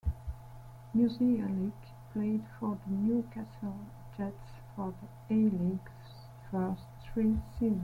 Musialik played for the Newcastle Jets for the A-League's first three seasons.